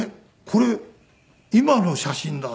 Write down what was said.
これ今の写真だ。